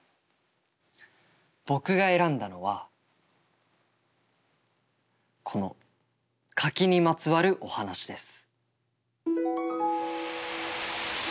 僕が選んだのはこの柿にまつわるお話です。